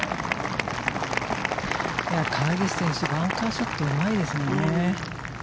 川岸選手バンカーショットうまいですね。